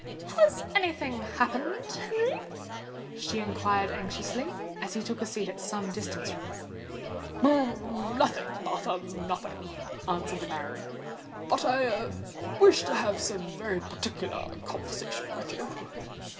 "Has any thing happened, Henry?" she inquired anxiously, as he took a seat at some distance from her. "Nothing, Martha—nothing," answered the baronet. "But I wish to have some very particular conversation with you."